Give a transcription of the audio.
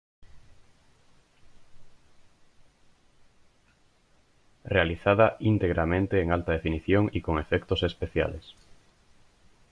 Realizada íntegramente en alta definición y con efectos especiales.